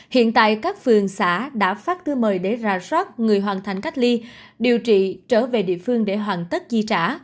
hiện tại các phường xã đã phát thư mời để ra soát người hoàn thành cách ly điều trị trở về địa phương để hoàn tất chi trả